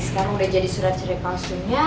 sekarang sudah jadi surat cerai palsunya